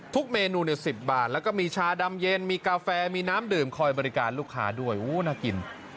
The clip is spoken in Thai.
เมนูใน๑๐บาทแล้วก็มีชาดำเย็นมีกาแฟมีน้ำดื่มคอยบริการลูกค้าด้วยโอ้น่ากิน